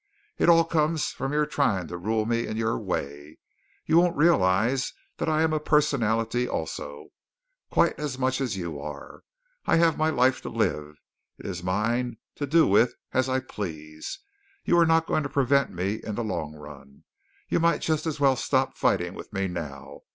It all comes from your trying to rule me in your way. You won't realize that I am a personality also, quite as much as you are. I have my life to live. It is mine to do with as I please. You are not going to prevent me in the long run. You might just as well stop fighting with me now.